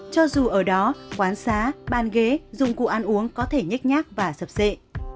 cho dù ở đó quán xá ban ghế dùng cụ ăn uống có thể nhích nhác và sập dệ